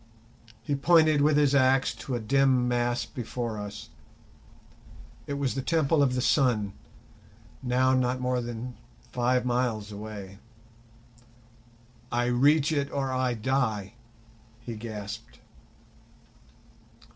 He pointed with his axe to a dim mass before us. It was the Temple of the Sun, now not more than five miles away. "I reach it or I die," he gasped.